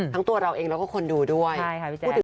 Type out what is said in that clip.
ทั้งตัวเราเองแล้วก็คนดูด้วย